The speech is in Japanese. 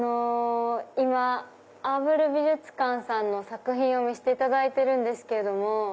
今アーブル美術館さんの作品を見せていただいてるんです。